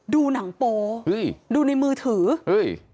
ดูหนังโปเฮ้ยดูในมือถือเฮ้ย